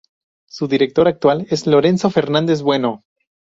Su director actual es Lorenzo Fernandez Bueno.